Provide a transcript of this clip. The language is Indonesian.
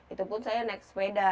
itu pun saya naik sepeda